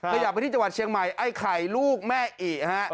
ขยับไปที่จังหวัดเชียงใหม่ไอ้ไข่ลูกแม่อิฮะ